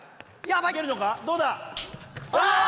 どうだ